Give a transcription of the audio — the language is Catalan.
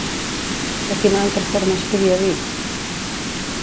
De quina altra forma es podia dir?